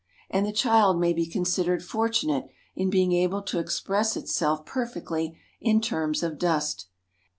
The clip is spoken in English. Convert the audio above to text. And the child may be considered fortunate in being able to express itself perfectly in terms of dust.